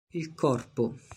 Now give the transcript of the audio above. Il corpo